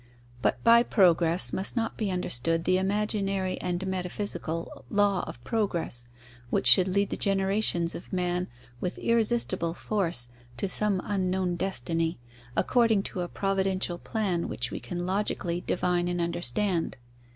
But by progress must not be understood the imaginary and metaphysical law of progress, which should lead the generations of man with irresistible force to some unknown destiny, according to a providential plan which we can logically divine and understand.